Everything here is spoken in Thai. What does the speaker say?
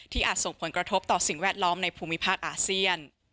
อาจส่งผลกระทบต่อสิ่งแวดล้อมในภูมิภาคอาเซียน